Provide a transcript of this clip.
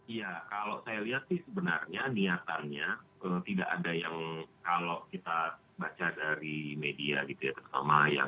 iya kalau saya lihat sih sebenarnya niatannya tidak ada yang